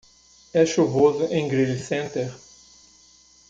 É chuvoso em Greely Center?